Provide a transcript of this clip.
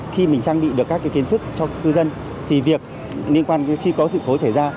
khi mình trang bị được các kiến thức cho cư dân thì việc liên quan đến trị có sự khổ trẻ da